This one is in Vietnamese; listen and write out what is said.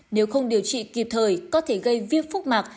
nếu không điều trị kịp thời có thể gây viêm phúc mạc